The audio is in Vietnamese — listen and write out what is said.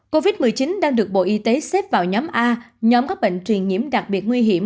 covid một mươi chín đang được bộ y tế xếp vào nhóm a nhóm các bệnh truyền nhiễm đặc biệt nguy hiểm